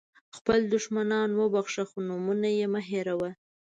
خپل دښمنان وبخښه خو نومونه یې مه هېروه.